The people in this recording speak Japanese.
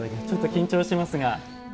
ちょっと緊張しますが。